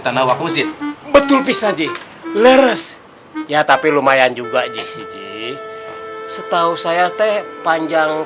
tanah wakil sih betul pisah di leres ya tapi lumayan juga jisiji setahu saya teh panjang